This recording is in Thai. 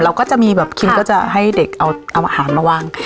ก็จะมีแบบคิมก็จะให้เด็กเอาอาหารมาวาง